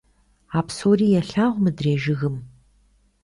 А псори елъагъу мыдрей жыгым.